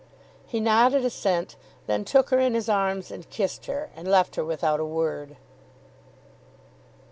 He nodded assent, then took her in his arms and kissed her, and left her without a word.